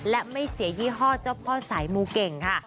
และไม่เสียยี่ห้อเจ้าพ่อสายมูเก่งค่ะ